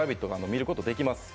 見ることができます。